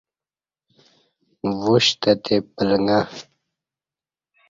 وشتہ تے پلݩگہ